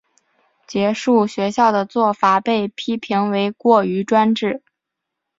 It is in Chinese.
结束学校的做法被批评为过于专制。